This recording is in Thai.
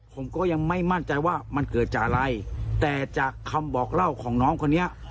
ผมก็ยังไม่มั่นใจว่ามันเกิดจากอะไรแต่จากคำบอกเล่าของน้องคนนี้